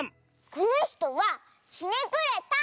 このひとは「ひねくれた」！